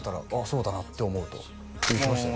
そうだなって思うと言ってましたよ